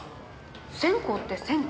線香って線香？